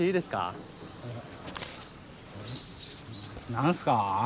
何すか？